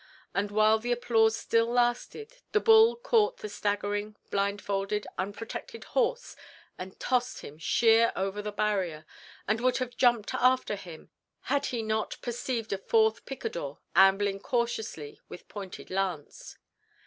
And while the applause still lasted, the bull caught the staggering, blindfolded, unprotected horse and tossed him sheer over the barrier, and would have jumped after him had he not perceived a fourth picador ambling cautiously with pointed lance.